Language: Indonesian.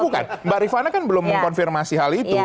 bukan mbak rifana kan belum mengkonfirmasi hal itu